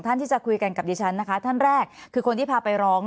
ที่จะคุยกันกับดิฉันนะคะท่านแรกคือคนที่พาไปร้อง